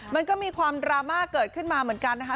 มันก็มีความดราม่าเกิดขึ้นมาเหมือนกันนะคะ